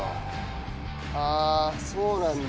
ああそうなんだ。